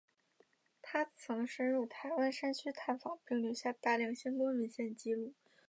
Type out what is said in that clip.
他曾深入台湾山区探访并留下大量相关文献纪录。